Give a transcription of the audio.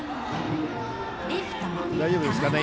大丈夫ですかね。